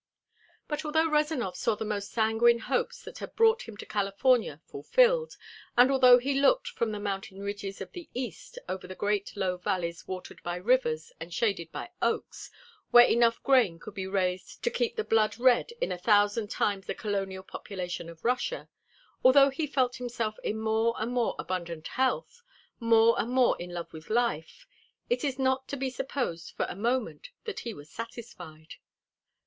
But although Rezanov saw the most sanguine hopes that had brought him to California fulfilled, and although he looked from the mountain ridges of the east over the great low valleys watered by rivers and shaded by oaks, where enough grain could be raised to keep the blood red in a thousand times the colonial population of Russia, although he felt himself in more and more abundant health, more and more in love with life, it is not to be supposed for a moment that he was satisfied.